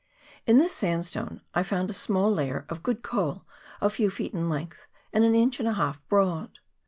In this sandstone I found a small layer of good coal a few feet in length and an inch and a half broad.